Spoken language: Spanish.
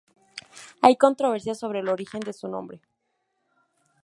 Hay controversia sobre el origen de su nombre.